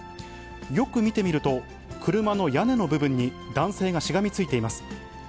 よく見てみると、車の屋根の部分に男性がしがみついています。